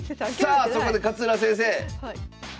さあそこで勝浦先生！